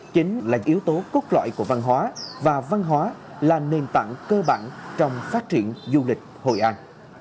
chính là yếu tố cốt lõi của văn hóa và văn hóa là nền tảng cơ bản trong phát triển du lịch hội an